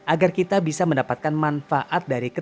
agar kita bisa mendapatkan manfaat dari kesehatan